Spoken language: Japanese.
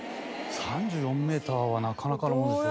３４メーターはなかなかのものですよ。